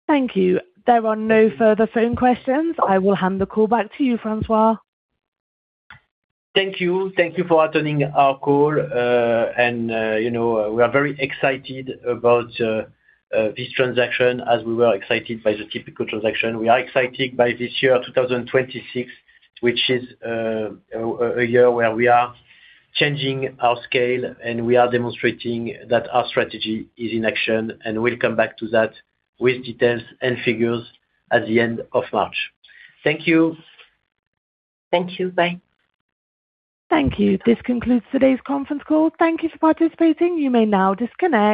Thank you. There are no further phone questions. I will hand the call back to you, François. Thank you. Thank you for attending our call. You know, we are very excited about this transaction as we were excited by the Tipico transaction. We are excited by this year, 2026, which is a year where we are changing our scale, and we are demonstrating that our strategy is in action, and we'll come back to that with details and figures at the end of March. Thank you. Thank you. Bye. Thank you. This concludes today's conference call. Thank you for participating. You may now disconnect.